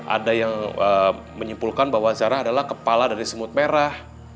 ada yang menyimpulkan bahwa zara adalah kepala dari semut merah